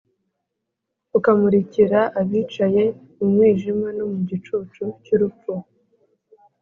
Ukamurikira abicaye mu mwijima no mu gicucu cy’urupfu,